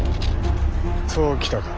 そう来たか。